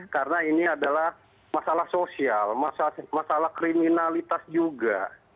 karena ini adalah masalah sosial masalah kriminalitas juga